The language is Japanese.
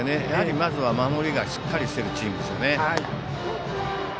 やはりまず守りがしっかりしているチームですよね。